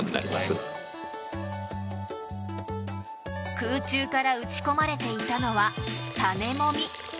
空中から撃ち込まれていたのは種もみ。